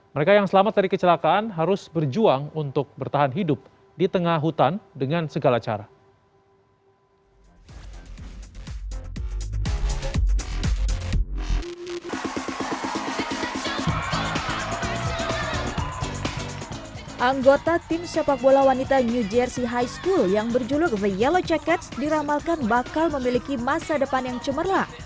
mereka yang selamat dari kecelakaan harus berjuang untuk bertahan hidup di tengah hutan dengan segala cara